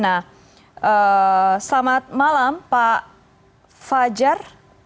nah selamat malam pak fajar